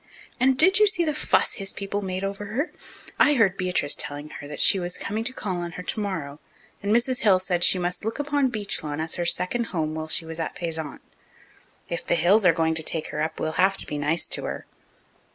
And did you see the fuss his people made over her? I heard Beatrice telling her that she was coming to call on her tomorrow, and Mrs. Hill said she must look upon 'Beechlawn' as her second home while she was at Payzant. If the Hills are going to take her up we'll have to be nice to her."